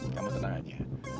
kamu tenang aja